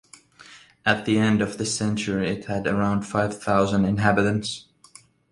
At the end of this century it had around five thousand inhabitants.